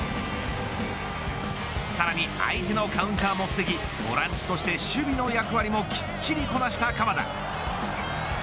さらに相手のカウンターもふせぎボランチとして、守備の役割もきっちりこなした鎌田。